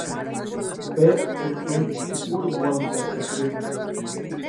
Pedru kutsumu pʼikurhikwarintʼaxati.